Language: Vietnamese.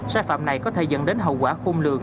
xà phạm này có thể dẫn đến hậu quả khung lường